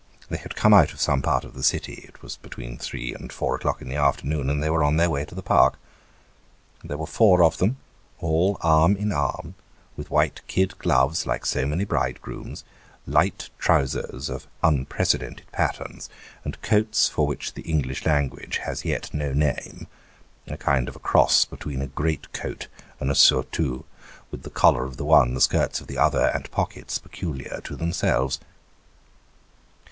They had come out of some part of the City ; it was between three and four o'clock in the afternoon ; and they were on their way to the Park. There were four of them, all arm in arm, with white kid gloves like so many bridegrooms, light trousers of unprecedented patterns, and coats for which the English language has yet no name a kind of cross between a great coat and a surtout, with the collar of the one, the skirts of the other, and pockets peculiar to themselves.